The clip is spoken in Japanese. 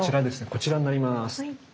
こちらになります。